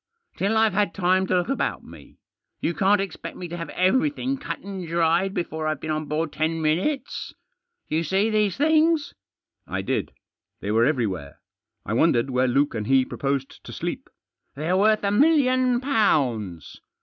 " Till I've had time to look about me. You can't expect me to have everything cut and dried before I've been on board ten minutes. You see these things?" I did. They were everywhere. I wondered where Luke and he proposed to sleep. " They're worth a million pounds."